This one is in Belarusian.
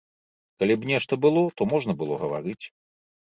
Калі б нешта было, то можна было гаварыць.